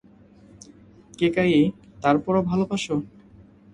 কেকায়ী- তারপরও ভালোবাসো?